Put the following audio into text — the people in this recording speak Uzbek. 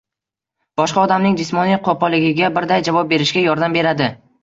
boshqa odamning jismoniy qo‘polligiga birday javob berishga yordam beradi.